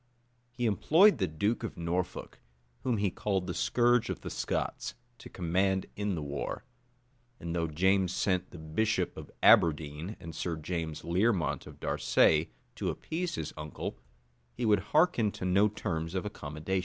He employed the duke of Norfolk, whom he called the scourge of the Scots, to command in the war: and though James sent the bishop of Aberdeen, and Sir James Learmont of Darsay, to appease his uncle, he would hearken to no terms of accommodation.